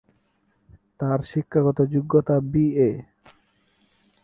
তার শিক্ষাগত যোগ্যতা বিএ।